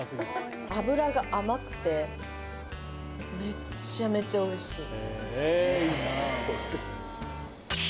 脂が甘くてめっちゃめちゃおいしい！